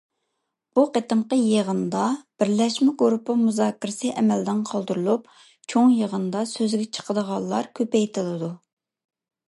بۇ قېتىمقى يىغىندا بىرلەشمە گۇرۇپپا مۇزاكىرىسى ئەمەلدىن قالدۇرۇلۇپ، چوڭ يىغىندا سۆزگە چىقىدىغانلار كۆپەيتىلىدۇ.